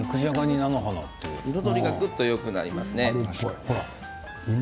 彩りがよくなりますね。